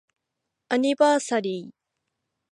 アニバーサリー